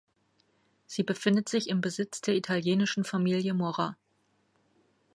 Sie befindet sich im Besitz der italienischen Familie Morra.